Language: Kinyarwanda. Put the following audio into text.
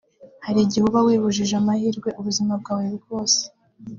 hari igihe uba wibujije amahirwe ubuzima bwawe bwose